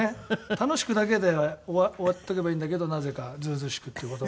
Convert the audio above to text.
「楽しく」だけで終わっとけばいいんだけどなぜか「ずうずうしく」って言葉を使っちゃう。